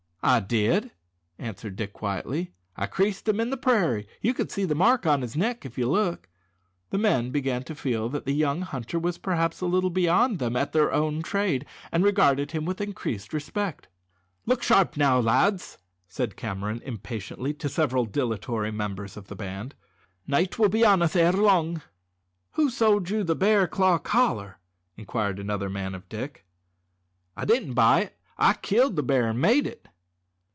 "I did," answered Dick quietly. "I creased him in the prairie; you can see the mark on his neck if you look." The men began to feel that the young hunter was perhaps a little beyond them at their own trade, and regarded him with increased respect. "Look sharp now, lads," said Cameron, impatiently, to several dilatory members of the band. "Night will be on us ere long." "Who sold ye the bear claw collar?" inquired another man of Dick. "I didn't buy it. I killed the bear and made it."